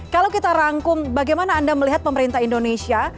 kalau kita rangkum bagaimana anda melihat pemerintah indonesia